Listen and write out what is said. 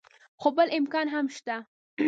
خو بل امکان هم شته.